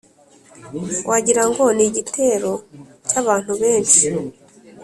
wagira ngo ni igitero cy’abantu benshi.